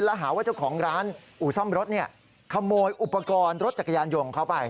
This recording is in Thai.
แล้วหาว่าเจ้าของร้านอู่ซ่อมรถขโมยอุปกรณ์รถจักรยานยนต์ของเขาไป